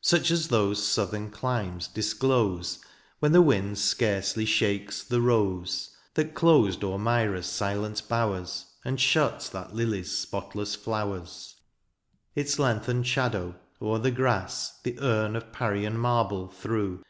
Such as those southern climes disclose. When the wind scarcely shakes the rose. That closed o'er Myra's silent bowers. And shut that lily's spotless flowers : Its lengthened shadow o'er the grass The urn of Parian marble threw.